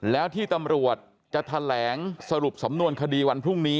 แล้วที่ตำรวจจะแถลงสรุปสำนวนคดีวันพรุ่งนี้